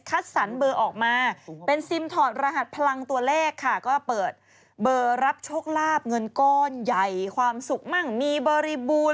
สรรเบอร์ออกมาเป็นซิมถอดรหัสพลังตัวเลขค่ะก็เปิดเบอร์รับโชคลาบเงินก้อนใหญ่ความสุขมั่งมีบริบูรณ์